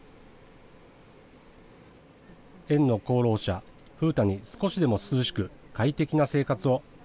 園の功労者、風太に少しでも涼しく、快適な生活を。